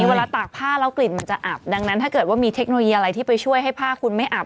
เวลาตากผ้าแล้วกลิ่นมันจะอับดังนั้นถ้าเกิดว่ามีเทคโนโลยีอะไรที่ไปช่วยให้ผ้าคุณไม่อาบ